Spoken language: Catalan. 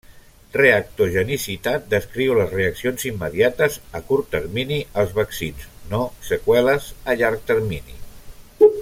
Reactogenicitat descriu les reaccions immediates a curt termini als vaccins, no seqüeles a llarg termini.